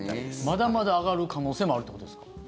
まだまだ上がる可能性もあるってことですか。